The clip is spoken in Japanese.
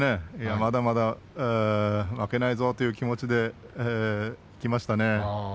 まだまだ負けないぞという気持ちでいきましたね。